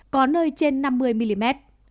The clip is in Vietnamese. có nơi trên năm mươi mm